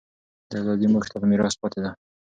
دا ازادي موږ ته په میراث پاتې ده.